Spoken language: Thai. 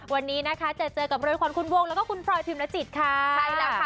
วันนี้นะคะจะเจอกับรวยขวัญคุณวงแล้วก็คุณพลอยพิมรจิตค่ะใช่แล้วค่ะ